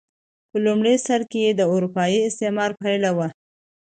په لومړي سر کې د اروپايي استعمار پایله وه.